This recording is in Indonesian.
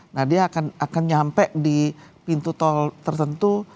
nah dia akan nyampe di pintu tol tertentu